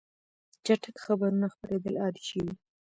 چټک خبرونه خپرېدل عادي شوي.